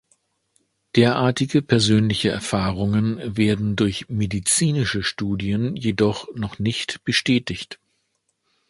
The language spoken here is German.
Derartige persönliche Erfahrungen werden durch medizinische Studien jedoch noch nicht bestätigt.